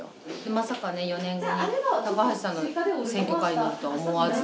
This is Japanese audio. まさかね４年後に高橋さんの選挙カーに乗るとは思わず。